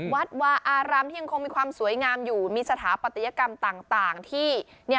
วัดวาอารามที่ยังคงมีความสวยงามอยู่มีสถาปัตยกรรมต่างที่